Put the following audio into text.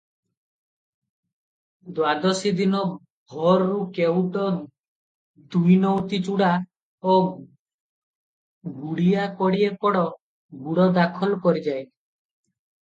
ଦ୍ଵାଦଶୀ ଦିନ ଭୋରରୁ କେଉଟ ଦୁଇନଉତି ଚୂଡ଼ା ଓ ଗୁଡ଼ିଆ କୋଡ଼ିଏପଳ ଗୁଡ଼ ଦାଖଲ କରିଯାଏ ।